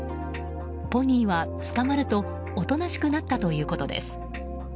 ポニーは捕まるとおとなしくなったということです。